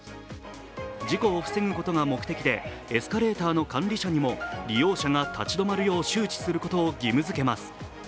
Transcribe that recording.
事故を防ぐことが目的で、エスカレーターの管理者にも利用者が立ち止まるよう周知することを義務づけます。